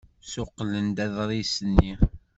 Ssuqqlen-d aḍris-nni.